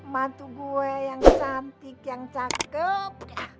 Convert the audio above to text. mantu gue yang cantik yang cakep